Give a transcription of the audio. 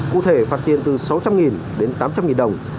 cụ thể phạt tiền từ sáu trăm linh đến tám trăm linh đồng